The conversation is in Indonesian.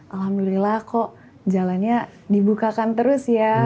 alhamdulillah kok jalannya dibukakan terus ya